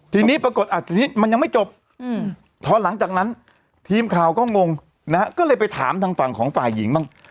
ทีนี้ปรากฏทีนี้มันยังไม่จบพอหลังจากนั้นทีมข่าวก็งงนะฮะก็เลยไปถามทางฝั่งของฝ่ายหญิงบ้าง